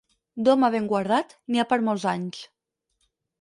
D'home ben guardat, n'hi ha per molts anys.